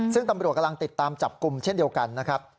ซึ่งตำรวจกำลังติดตามจับกลุ่มเช่นเดียวกันนะครับ